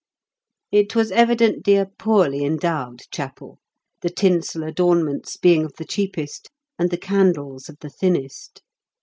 It was evidently a poorly endowed chapel, the tinsel adornments being of the cheapest and the candles of the thinnest.